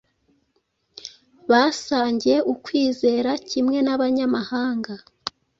basangiye ukwizera kimwe n’abanyamahanga.